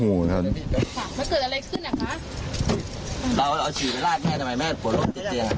อะไรขึ้นอ่ะค่ะเราเอาไปรั่ดแม่ทำไมแม่กลัวรอยตาเรือ